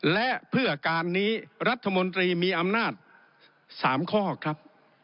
และเพื่อการนี้รัฐมนตรีมีอำนาจ๓ข้อครับ